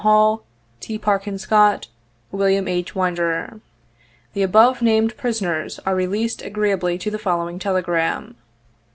Hall, "T, Parkin Scott, " William II . Winder. " The above named prisoners are released agreeably to the following telegram.